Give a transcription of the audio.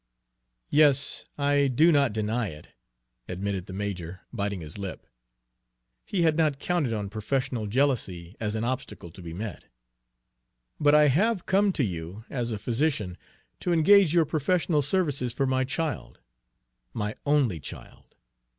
"Yes, I do not deny it," admitted the major, biting his lip. He had not counted on professional jealousy as an obstacle to be met. "But I have come to you, as a physician, to engage your professional services for my child, my only child.